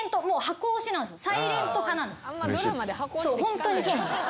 ホントにそうなんです。